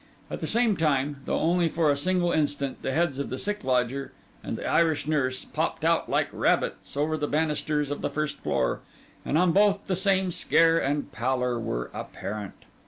At the same time, though only for a single instant, the heads of the sick lodger and the Irish nurse popped out like rabbits over the banisters of the first floor; and on both the same scare and pallor were apparent.